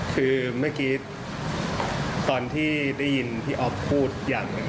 คือเมื่อกี้ตอนที่ได้ยินพี่อ๊อฟพูดอย่างหนึ่ง